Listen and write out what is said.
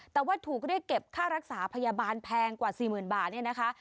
แต่ว่าถูกเรียกเก็บค่ารักษาพยาบาลแพงกว่า๔๐๐๐บาทเนี่ยนะคะ